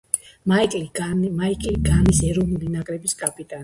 მაიკლი განის ეროვნული ნაკრების კაპიტანია.